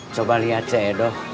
coba lihat seeda